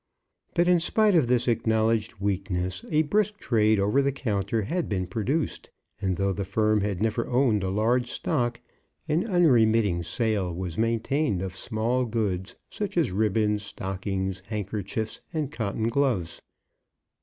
But in spite of this acknowledged weakness, a brisk trade over the counter had been produced; and though the firm had never owned a large stock, an unremitting sale was maintained of small goods, such as ribbons, stockings, handkerchiefs, and cotton gloves.